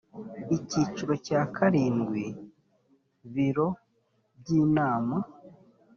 icyiciro cya karindwi biro by inama